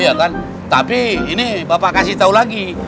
iya kan tapi ini bapak kasih tahu lagi